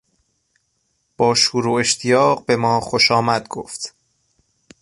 با شور و اشتیاق به ما خوشامد گفت.